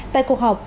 tại cuộc họp